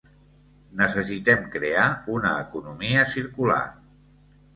Necessitem crear una economia circular.